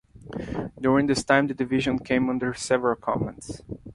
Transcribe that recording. During this time the division came under several commands.